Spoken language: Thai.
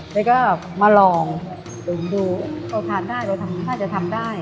เราก็มาลองดูเราทำได้ไหมถ้าจะทำได้